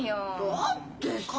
だってさ。